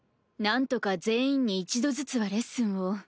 なんとか全員に一度ずつはレッスンを。